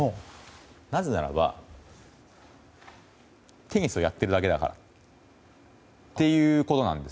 なぜならばテニスをやっているだけだからということなんです。